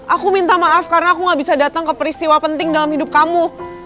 aku minta maaf karena aku gak bisa datang ke peristiwa penting dalam hidup kamu